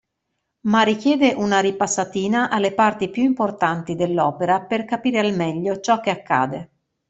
Ma richiede una ripassatina alle parti più importanti dell'opera per capire al meglio ciò che accade.